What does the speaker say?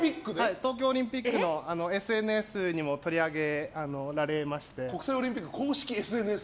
東京オリンピックのＳＮＳにも取り上げられまして。